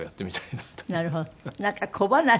なるほど。